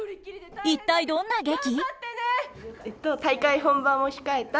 一体どんな劇？